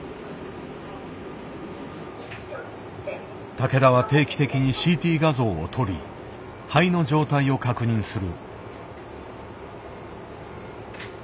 竹田は定期的にＣＴ画像を撮り肺の状態を確認する。